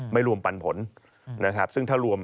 รวมปันผลนะครับซึ่งถ้ารวม